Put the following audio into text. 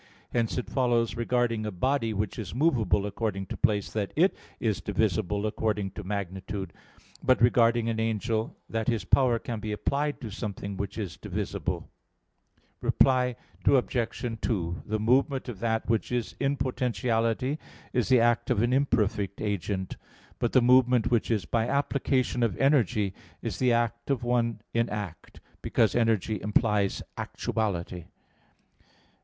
Hence it follows regarding a body which is movable according to place, that it is divisible according to magnitude; but regarding an angel, that his power can be applied to something which is divisible. Reply Obj. 2: The movement of that which is in potentiality is the act of an imperfect agent. But the movement which is by application of energy is the act of one in act: because energy implies actuality.